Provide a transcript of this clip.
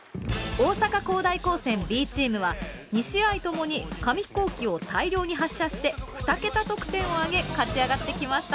大阪公大高専Ｂチームは２試合ともに紙ヒコーキを大量に発射してふた桁得点を挙げ勝ち上がってきました。